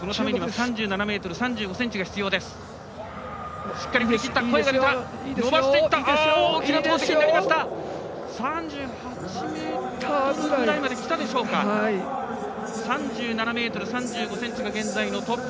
３７ｍ３５ｃｍが現在のトップ。